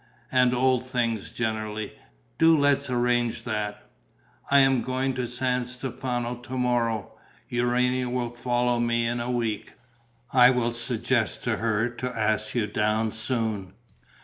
And old things generally. Do let's arrange that. I am going to San Stefano to morrow. Urania will follow me in a week. I will suggest to her to ask you down soon."